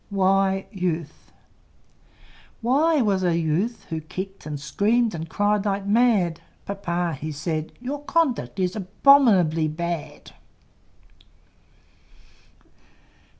Y Y was a Youth, who kicked And screamed and cried like mad; Papa he said, "Your conduct is Abominably bad!"